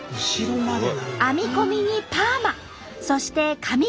編み込みにパーマそして髪飾り。